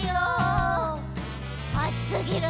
あつすぎる！